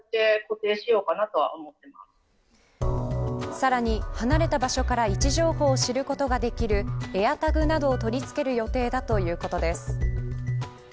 さらに離れた場所から位置情報を知ることができるＡｉｒＴａｇなどを取り付ける予定だということです。